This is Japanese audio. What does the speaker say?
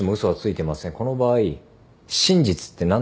この場合真実って何ですか？